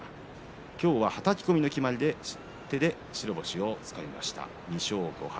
今日は、はたき込みの決まり手で白星をつかみました、２勝５敗。